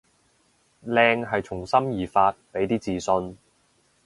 靚係從心而發，畀啲自信